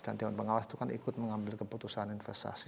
dewan pengawas itu kan ikut mengambil keputusan investasi